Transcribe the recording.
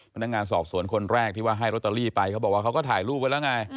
พนักงานสอบสวนคนแรกที่ว่าให้โรตเตอรี่ไปเขาบอกว่าเขาก็ถ่ายรูปไว้แล้วไง